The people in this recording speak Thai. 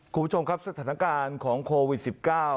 คุณผู้ชมครับสถานการณ์ของโควิด๑๙